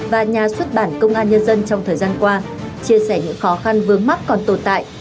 và nhà xuất bản công an nhân dân trong thời gian qua chia sẻ những khó khăn vướng mắt còn tồn tại